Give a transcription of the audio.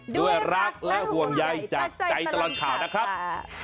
ด้วยรักและห่วงใยจากใจตลอดข่าวนะครับ